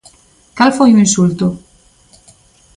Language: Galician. ¿Cal foi o insulto?